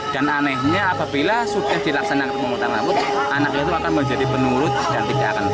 dan anehnya apabila sudah dilaksanakan pemotongan rambut anaknya itu akan menjadi penurut